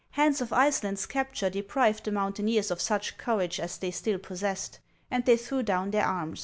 Hans of Iceland's capture deprived the mountaineers of such courage as they still possessed, and they threw down their arms.